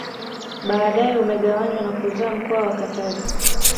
Baadae umegawanywa na kuzaa mkoa wa Katavi